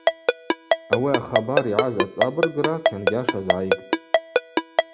Ауи ахабар йгӏаз ацӏабыргра кьангьаш азгӏайгтӏ.